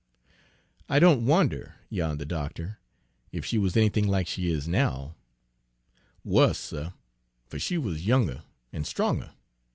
"I don't wonder," yawned the doctor, "if she was anything like she is now." "Wuss, suh, fer she wuz younger, an' stronger.